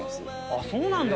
あっそうなんだ。